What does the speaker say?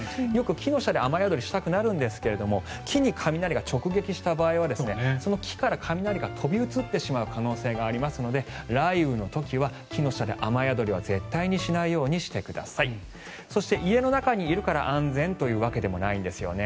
木の下で雨宿りしたくなるんですが木に雷が直撃した場合は木から雷が飛び移ってしまう可能性がありますので雷雨の時は木の下で雨宿りは絶対にしないようにしてくださいそして家の中にいるから安全というわけでもないんですよね。